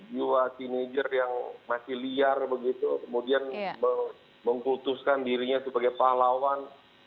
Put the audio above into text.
jiwa teenager yang masih liar begitu kemudian mengkultuskan dirinya sebagai pahlawan